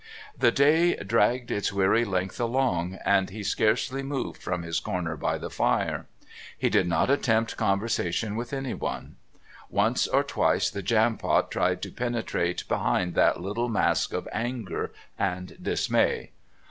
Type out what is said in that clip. The day dragged its weary length along, and he scarcely moved from his corner by the fire. He did not attempt conversation with anyone. Once or twice the Jampot tried to penetrate behind that little mask of anger and dismay.